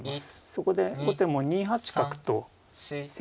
そこで後手も２八角と迫って。